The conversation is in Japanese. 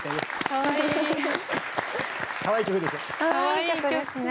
かわいい曲ですね。